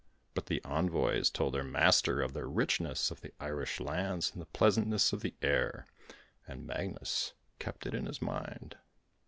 But the envoys told their master of the richness of the Irish lands and the pleasantness of the air, and Magnus kept it in his mind.